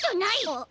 あっ。